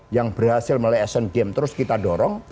yang berhasil melalui action game terus kita dorong